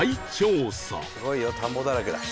すごいよ田んぼだらけだ。